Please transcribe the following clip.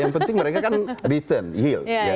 yang penting mereka kan return yield